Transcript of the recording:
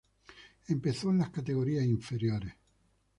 Empezó en las categorías inferiores.